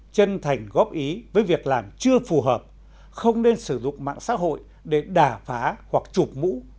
chân thành góp ý với việc làm chưa phù hợp không nên sử dụng mạng xã hội để đà phá hoặc chụp mũ